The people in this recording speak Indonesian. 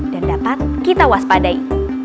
dan dapat kita waspadai